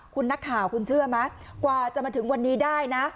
คุณนักข่าวคุณเชื่อไหมกว่าจะมาถึงวันนี้ได้นะ